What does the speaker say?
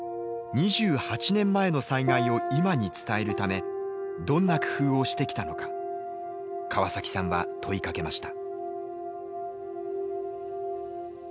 ２８年前の災害を今に伝えるためどんな工夫をしてきたのか川崎さんは問いかけました。